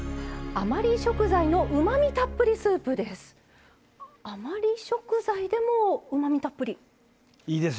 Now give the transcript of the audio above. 余り食材のうまみたっぷりスープです。